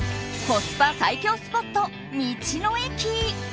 コスパ最強スポット道の駅。